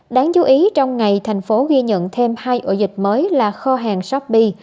đáng chú ý trong ngày thành phố ghi nhận thêm hai ổ dịch mới là kho hàng shopee